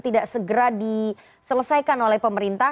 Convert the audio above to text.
tidak segera diselesaikan oleh pemerintah